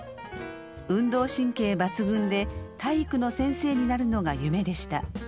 運動神経抜群で体育の先生になるのが夢でした。